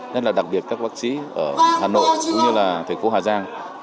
nhất là đặc biệt các bác sĩ ở hà nội cũng như là thành phố hà giang